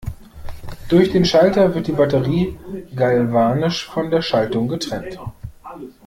Durch den Schalter wird die Batterie galvanisch von der Schaltung getrennt.